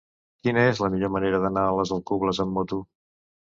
Quina és la millor manera d'anar a les Alcubles amb moto?